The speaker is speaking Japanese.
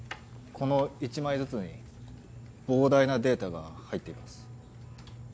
この１枚ずつに膨大なデータが入っています。